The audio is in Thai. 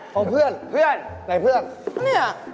ของเพื่อนแต่เพื่อนนี่